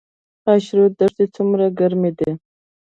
خاشرود دښتې څومره ګرمې دي؟